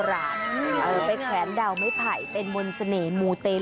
เอาไปแผนดาวไม้ไผ่เป็นมนเสน่ห์หมู่เตรู